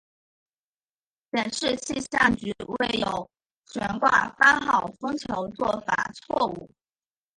显示气象局未有悬挂八号风球做法错误。